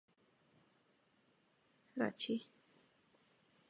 Do prostředí se vylučuje trusem.